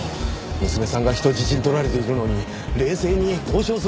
娘さんが人質に取られているのに冷静に交渉するなんて。